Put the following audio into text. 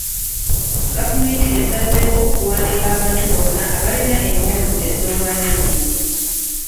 Gavumenti esazeewo okuwandiika abantu bonna abalina emmundu ez'obwannannyini.